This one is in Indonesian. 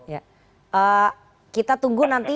ya kita tunggu nanti